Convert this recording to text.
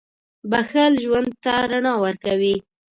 • بښل ژوند ته رڼا ورکوي.